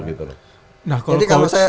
jadi kalau saya